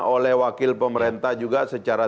oleh wakil pemerintah juga secara